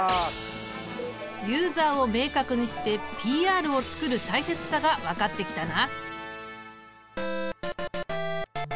ユーザーを明確にしてＰＲを作る大切さがわかってきたな。